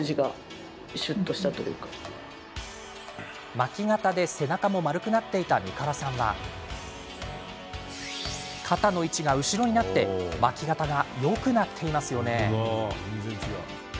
巻き肩で背中も丸くなっていたみからさんは肩の位置が後ろになって巻き肩がよくなっていますよね。